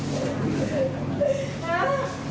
มันมีความผิดอะไร